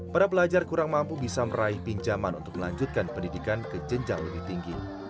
para pelajar kurang mampu bisa meraih pinjaman untuk melanjutkan pendidikan ke jenjang lebih tinggi